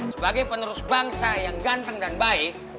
sebagai penerus bangsa yang ganteng dan baik